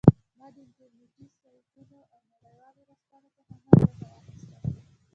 ما د انټرنیټي سایټونو او نړیوالو ورځپاڼو څخه هم ګټه واخیسته